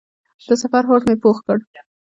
د سفر هوډ مې پوخ کړ.